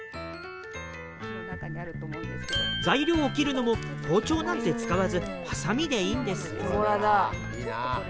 材料を切るのも包丁なんて使わずハサミでいいんです。